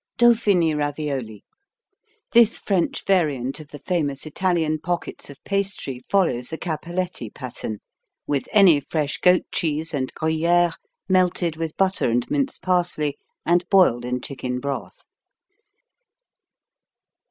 Dauphiny Ravioli This French variant of the famous Italian pockets of pastry follows the Cappelletti pattern, with any fresh goat cheese and Gruyère melted with butter and minced parsley and boiled in chicken broth.